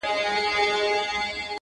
• پر غزل د جهاني به له ربابه نغمې اوري ,